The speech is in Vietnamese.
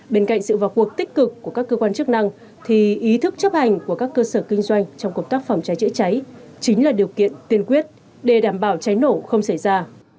bên cạnh sự vào cuộc tích cực của các cơ quan chức năng thì ý thức chấp hành của các cơ sở kinh doanh trong cộng tác phòng cháy chữa cháy chính là điều kiện tiên quyết để đảm bảo cháy nổ không xảy ra